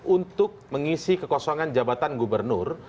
untuk mengisi kekosongan jabatan gubernur